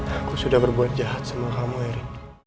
aku sudah berbuat jahat semua kamu eri